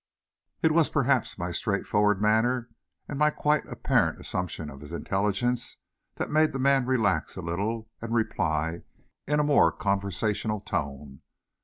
It was perhaps my straightforward manner, and my quite apparent assumption of his intelligence, that made the man relax a little and reply in a more conversational tone.